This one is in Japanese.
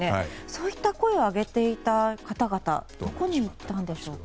そういった声を上げていた方々はどこに行ったんでしょうか。